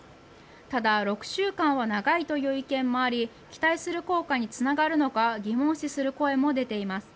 ただ、６週間は長いという意見もあり期待する効果につながるのか疑問視する声も出ています。